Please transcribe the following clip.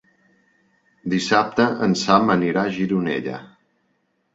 Dissabte en Sam anirà a Gironella.